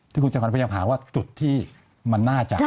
คุณจำขวัญพยายามหาว่าจุดที่มันน่าจะ